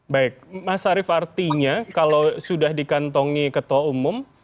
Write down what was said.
baik mas arief artinya kalau sudah dikantongi ketua umum